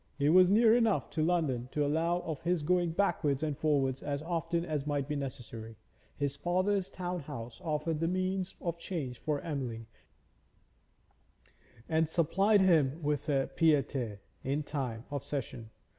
It was near enough to London to allow of his going backwards and forwards as often as might be necessary; his father's town house offered the means of change for Emily, and supplied him with a pied a terre in time of session.